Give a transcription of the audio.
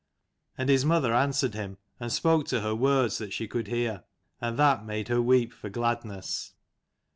And his mother answered him, and spoke to her words that she could hear, and that made her weep for gladness.